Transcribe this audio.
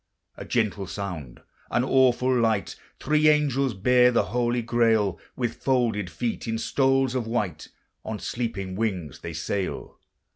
A gentle sound, an awful light! Three angels bear the holy Grail: With folded feet, in stoles of white, On sleeping wings they sail.